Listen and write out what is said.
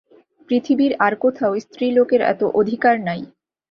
পৃথিবীর আর কোথাও স্ত্রীলোকের এত অধিকার নাই।